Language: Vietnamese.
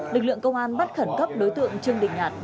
lực lượng công an bắt khẩn cấp đối tượng trương đình nhạt